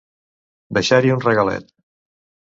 Deixar-hi un regalet.